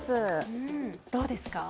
どうですか？